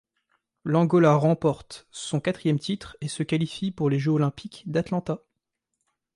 L'Angola remporte son quatrième titre et se qualifie pour les Jeux olympiques d'Atlanta.